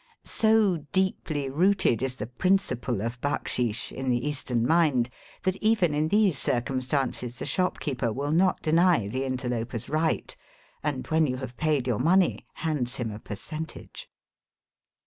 So deeply rooted is the principle of backsheesh in the Eastern mind that even in these circumstances the shopkeeper will not deny the interloper's right, and when you have paid your money hands him a percentage.